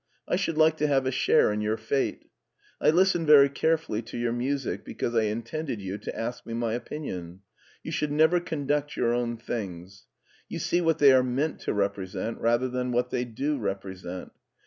I should like to have a share in your fate. I listened very carefully to your music because I intended you to ask me my opinion. You should never conduct your own things. You see what they are meant to represent rather than what they do represent.